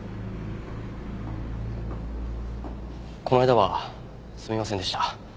この間はすみませんでした。